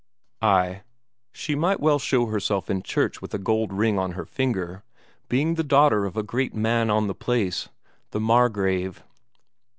Ay, she might well show herself in church with a gold ring on her finger, being the daughter of a great man on the place the Margrave.